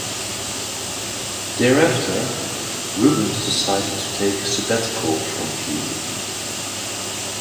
Thereafter, Reubens decided to take a sabbatical from Pee-wee.